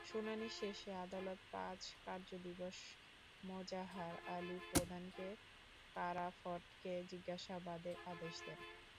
শুনানি শেষে আদালত পাঁচ কার্যদিবস মোজাহার আলী প্রধানকে কারাফটকে জিজ্ঞাসাবাদের আদেশ দেন।